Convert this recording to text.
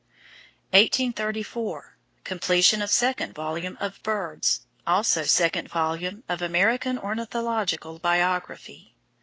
1834 Completion of second volume of "Birds," also second volume of American Ornithological Biography.